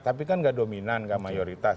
tapi kan tidak dominan tidak mayoritas